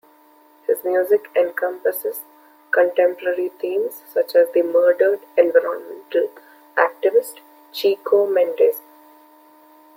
His music encompasses contemporary themes such as the murdered environmental activist, Chico Mendes.